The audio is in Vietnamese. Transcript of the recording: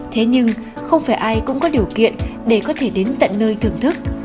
thế nhưng không phải ai cũng có điều kiện để có thể đến tận nơi thưởng thức